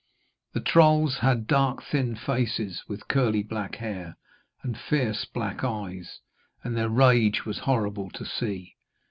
The trolls had dark thin faces, with curly black hair and fierce black eyes, and their rage was horrible to see.